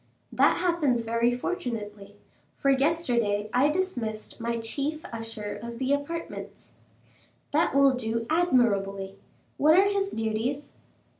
"That happens very fortunately, for yesterday I dismissed my chief usher of the apartments." "That will do admirably. What are his duties?"